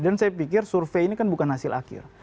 dan saya pikir survei ini kan bukan hasil akhir